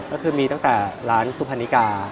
ก็คือมีตั้งแต่ร้านสุพรรณิกา